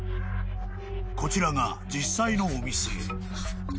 ［こちらが実際のお店］